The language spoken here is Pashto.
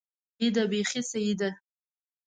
سيي ده، بېخي سيي ده!